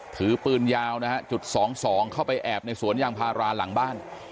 ถือปืนยาวนะฮะจุดสองสองเข้าไปแอบในสวนยางพาราหลังบ้าน